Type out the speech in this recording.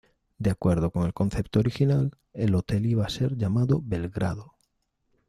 De acuerdo con el concepto original, el hotel iba a ser llamado Belgrado.